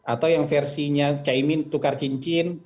atau yang versinya caimin tukar cincin